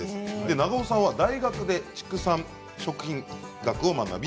長尾さんは大学で畜産食品学を学び